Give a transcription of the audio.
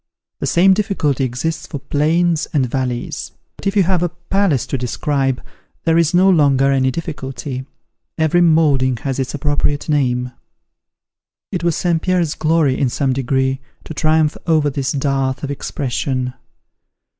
The same difficulty exists for plains and valleys. But if you have a palace to describe, there is no longer any difficulty. Every moulding has its appropriate name." It was St. Pierre's glory, in some degree, to triumph over this dearth of expression.